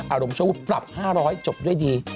อารมณ์ชั่ววูบปรับ๕๐๐จบด้วยดี